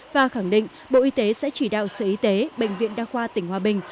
và khẳng định bộ y tế sẽ chỉ đạo sở y tế bệnh viện đa khoa tỉnh hòa bình